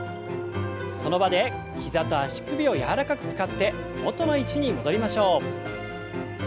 その場で膝と足首を柔らかく使って元の位置に戻りましょう。